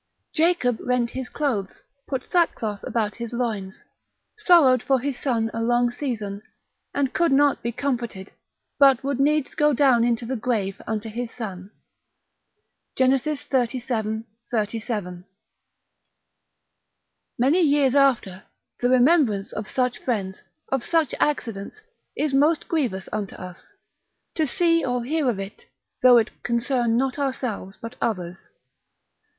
Jacob rent his clothes, put sackcloth about his loins, sorrowed for his son a long season, and could not be comforted, but would needs go down into the grave unto his son, Gen. xxxvii. 37. Many years after, the remembrance of such friends, of such accidents, is most grievous unto us, to see or hear of it, though it concern not ourselves but others.